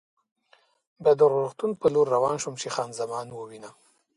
بیا د روغتون په لور روان شوم چې خان زمان ووینم.